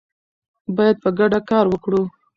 باید په ګډه کار وکړو.